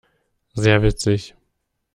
Sehr witzig!